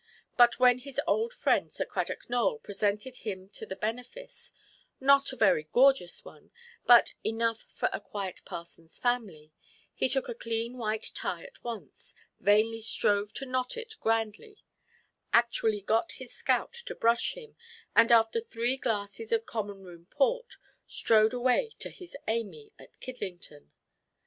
But when his old friend Sir Cradock Nowell presented him to the benefice—not a very gorgeous one, but enough for a quiet parsonʼs family—he took a clean white tie at once, vainly strove to knot it grandly, actually got his scout to brush him, and after three glasses of common–room port, strode away to his Amy at Kidlington.